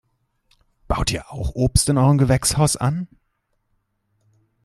Baut ihr auch Obst in eurem Gewächshaus an?